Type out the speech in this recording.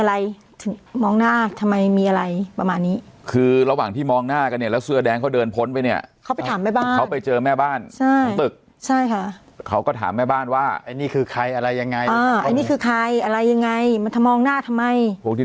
หยุดมองไม่หยุดมองไม่หยุดมองไม่หยุดมองไม่หยุดมองไม่หยุดมองไม่หยุดมองไม่หยุด